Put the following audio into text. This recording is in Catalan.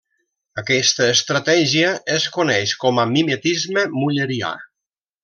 Aquesta estratègia es coneix com a mimetisme müllerià.